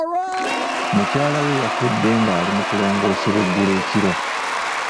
Mukyala we yafudde nga ali mu kulongoosebwa eggulo ekiro.